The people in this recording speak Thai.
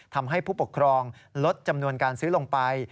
ทำให้ผู้ปกครองลดจำนวนการซื้อลงไป